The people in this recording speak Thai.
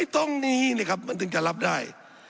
ตรงนี้นะครับมันถึงจะรับได้